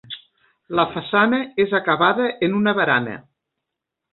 La façana és acabada en una barana.